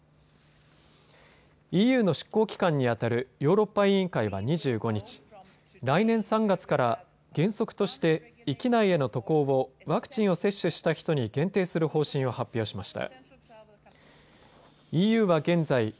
ＥＵの執行機関にあたるヨーロッパ委員会は２５日、来年３月から原則として域内への渡航をワクチンを接種した人に限定する方針を発表しました。